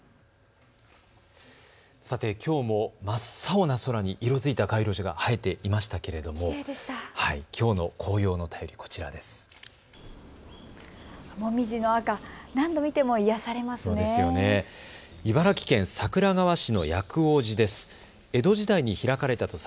きょうも真っ青の空に色づいた街路樹が映えていましたけれども、きょうの紅葉の便りはこちらです。